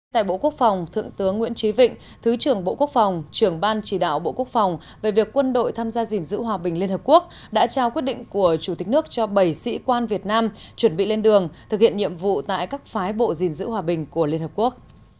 tại bộ quốc phòng thượng tướng nguyễn trí vịnh thứ trưởng bộ quốc phòng trưởng ban chỉ đạo bộ quốc phòng về việc quân đội tham gia gìn giữ hòa bình liên hợp quốc đã trao quyết định của chủ tịch nước cho bảy sĩ quan việt nam chuẩn bị lên đường thực hiện nhiệm vụ tại các phái bộ gìn giữ hòa bình của liên hợp quốc